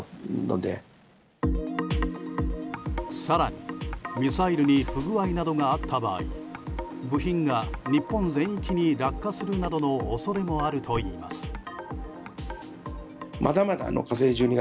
更に、ミサイルに不具合などがあった場合部品が日本全域に落下するなどの恐れもあるといいます。